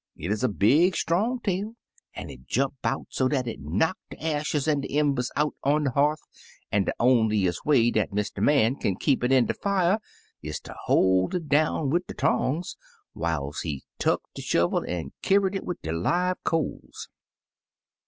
It 'uz a big strong tail, an' it jump 'bout so dat it knock de ashes an' de embers out on de h'ath, an' de onliest way dat Mr. Man kin keep it in de fier, is ter hoi' it down wid de tongs whiles he tuck de shovel an' kiwered it wid de live coals.